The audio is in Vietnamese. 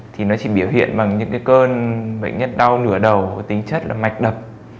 thì nó chỉ biểu hiện bằng những cơn bệnh nhân đau nửa đầu tính chất là mạch đập